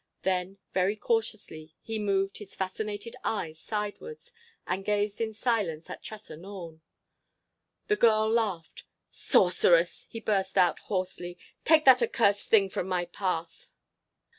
Then, very cautiously, he moved his fascinated eyes sideways and gazed in silence at Tressa Norne. The girl laughed. "Sorceress!" he burst out hoarsely. "Take that accursed thing from my path!"